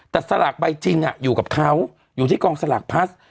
แต่สลากใบจริงอยู่กับเขาอยู่ที่กองสลากพลัส